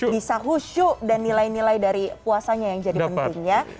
bisa husyuk dan nilai nilai dari puasanya yang jadi penting ya